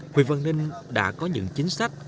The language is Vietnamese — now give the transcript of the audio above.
huy văn ninh đã có những chính sách